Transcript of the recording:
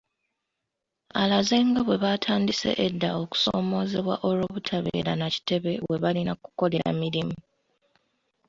Alaze nga bwe baatandise edda okusoomoozebwa olw’obutabeera na kitebe we balina kukolera mirimu .